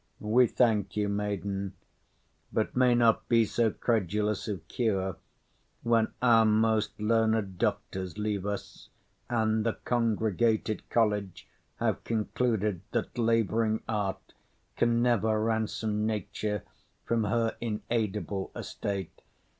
We thank you, maiden, But may not be so credulous of cure, When our most learned doctors leave us, and The congregated college have concluded That labouring art can never ransom nature From her inaidable estate.